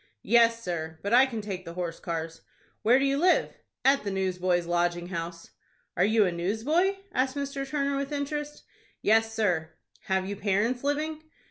"Yes, sir; but I can take the horse cars." "Where do you live?" "At the Newsboys' Lodging House." "Are you a newsboy?" asked Mr. Turner, with interest. "Yes, sir." "Have you parents living?"